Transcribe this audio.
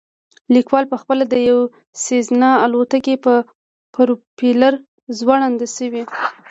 لیکوال پخپله د یوې سیزنا الوتکې په پروپیلر ځوړند شوی